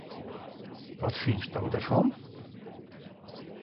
Wat fynsto derfan?